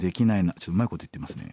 ちょっとうまいこと言ってますね。